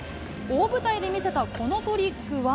大舞台で見せたこのトリックは。